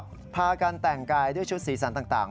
ก็พากันแต่งกายด้วยชุดสีสันต่าง